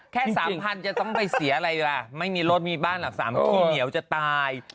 แค่๓๐๐จะต้องไปเสียอะไรล่ะไม่มีรถมีบ้านหลัก๓ขี้เหนียวจะตาย